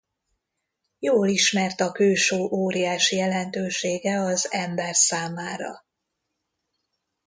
Jól ismert a kősó óriási jelentősége az ember számára.